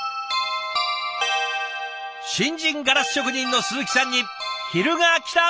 新人ガラス職人の鈴木さんに昼がきた！